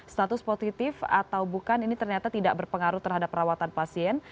status positif atau bukan ini ternyata tidak berpengaruh terhadap perawatan pasien